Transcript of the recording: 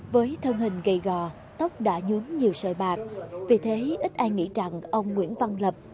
với thân hình gầy gò tóc đã nhuốm nhiều sợi bạc vì thế ít ai nghĩ rằng ông nguyễn văn lập